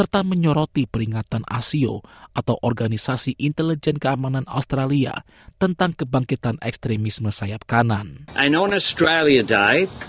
dan diperiksa oleh petugas yang melarang dia menghadiri acara australia day